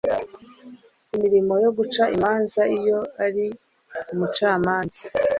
imirimo yo guca imanza iyo yari umucamanza